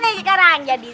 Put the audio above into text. kita pandai sekarang jadi